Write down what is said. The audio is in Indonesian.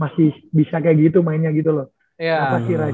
masih bisa kayak gitu mainnya gitu loh